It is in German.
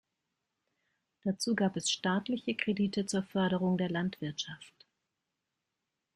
Dazu gab es staatliche Kredite zur Förderung der Landwirtschaft.